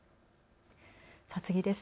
次です。